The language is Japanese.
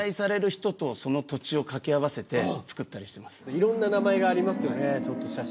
いろんな名前がありますよね。